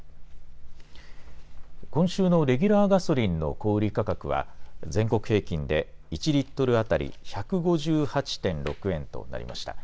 今週のレギュラーガソリンの小売り価格は、全国平均で１リットル当たり１５８．６円となりました。